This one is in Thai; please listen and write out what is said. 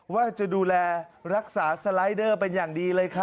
ว่าจะดูแลรักษาสไลด์เดอร์เป็นอย่างดีเลยค่ะ